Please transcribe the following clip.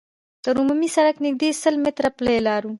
تر عمومي سړکه نږدې سل متره پلي لاړو.